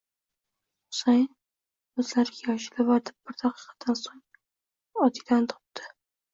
Husayin ko'zlariki ochdi va bir daqiqadan so'ng Odilani topdi.